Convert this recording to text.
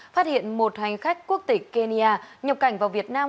phát hiện một hành khách quốc tịch kenya nhập cảnh vào việt nam